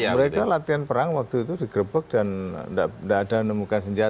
mereka latihan perang waktu itu digrebek dan tidak ada menemukan senjata